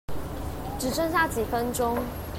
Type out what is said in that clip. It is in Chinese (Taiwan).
只剩下幾分鐘